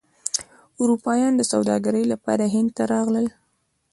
اروپایان د سوداګرۍ لپاره هند ته راغلل.